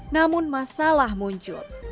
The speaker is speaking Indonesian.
namun masalah muncul